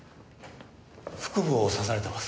腹部を刺されてます。